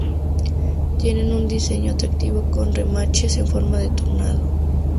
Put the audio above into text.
Tienen un Diseño atractivo, con remaches en forma de tornado.